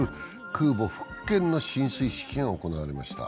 空母「福建」の進水式が行われました。